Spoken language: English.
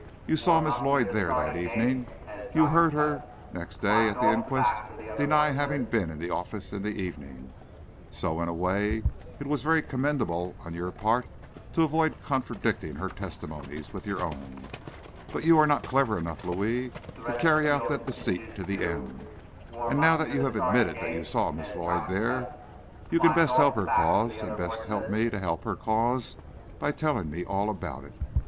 You saw Miss Lloyd there that evening, you heard her next day at the inquest deny having been in the office in the evening. So, in a way, it was very commendable on your part to avoid contradicting her testimonies, with your own. But you are not clever enough, Louis, to carry out that deceit to the end. And now that you have admitted that you saw Miss Lloyd there, you can best help her cause, and best help me to help her cause, by telling me all about it.